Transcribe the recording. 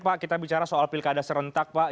pak kita bicara soal pilkada serentak pak